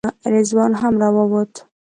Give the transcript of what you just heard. رضوان هم راووت.